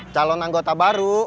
calon anggota baru